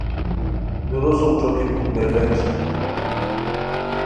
دُورو سُم ݯوکی پُھک دہلینځ